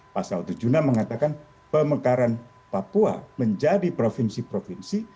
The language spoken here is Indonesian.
pasal tujuh puluh enam mengatakan pemekaran papua menjadi provinsi provinsi